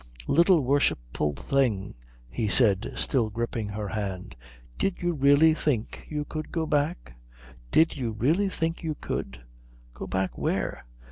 "Little worshipful thing," he said, still gripping her hand, "did you really think you could go back? Did you really think you could?" "Go back where?"